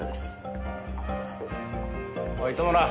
おい糸村！